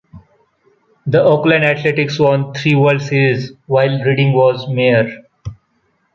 The Oakland Athletics won three World Series while Reading was mayor.